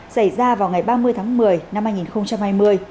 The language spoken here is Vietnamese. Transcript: xảy ra vào ngày ba mươi tháng một mươi năm hai nghìn hai mươi